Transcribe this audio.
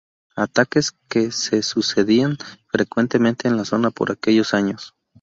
Ataques que se sucedían frecuentemente en la zona por aquellos años.